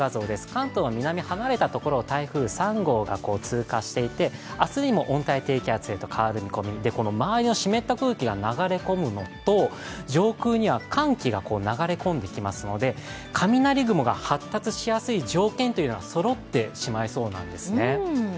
関東、南離れたところに台風３号が通過していて、明日にも温帯低気圧へと変わって、周りに湿った空気が流れ込むのと、上空には寒気が流れ込んできますので雷雲が発達しやすい条件がそろってしまいそうなんですね。